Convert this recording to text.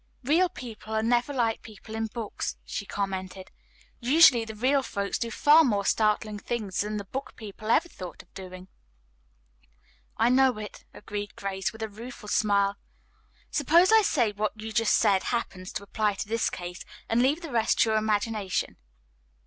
"Real people are never like people in books," she commented. "Usually the real folks do far more startling things than the book people ever thought of doing." "I know it," agreed Grace, with a rueful smile. "Suppose I say what you just said happens to apply to this case, and leave the rest to your imagination."